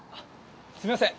すみません。